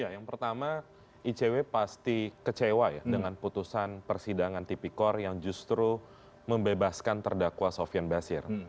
yang pertama icw pasti kecewa ya dengan putusan persidangan tipikor yang justru membebaskan terdakwa sofian basir